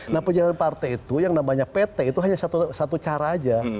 nah penyelenggaraan partai itu yang namanya pt itu hanya satu cara aja